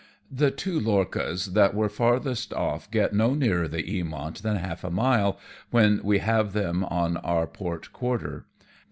The two lorchas that were farthest off get no nearer the Eamont than half a mile, when we have them on our port quarter.